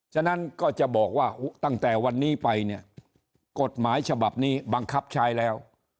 ฉะนั้นก็จะบอกว่าตั้งแต่วันนี้ไปเนี่ยกฎหมายฉบับนี้บังคับใช้แล้ว